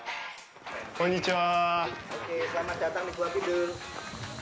こんにちは。